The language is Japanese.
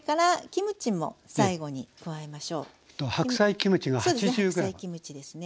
白菜キムチですね。